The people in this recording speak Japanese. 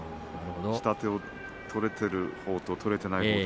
下手を取っているほう、取れないほう。